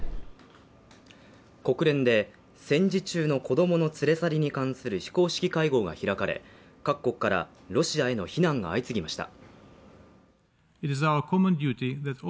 国連で戦時中の子供の連れ去りに関する非公式会合が開かれ、各国からロシアへの非難が相次ぎました。